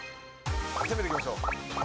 攻めていきましょう。